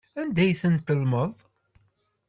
Anda ay ten-tellmeḍ?